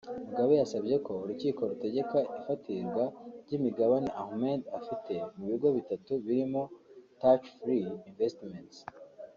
Mugabe yasabye ko urukiko rutegeka ifatirwa ry’imigabane Ahmed afite mu bigo bitatu birimo Thatchfree Investments